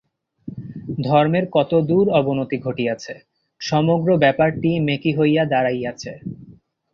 ধর্মের কতদূর অবনতি ঘটিয়াছে! সমগ্র ব্যাপারটিই মেকী হইয়া দাঁড়াইয়াছে।